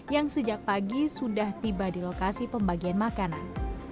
yang sejak pagi sudah tiba di lokasi pembagian makanan